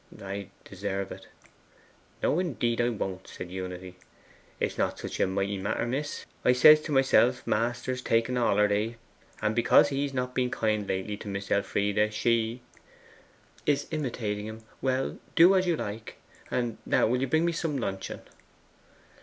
'I deserve it.' 'No, indeed, I won't,' said Unity. 'It is not such a mighty matter, Miss Elfride. I says to myself, master's taking a hollerday, and because he's not been kind lately to Miss Elfride, she ' 'Is imitating him. Well, do as you like. And will you now bring me some luncheon?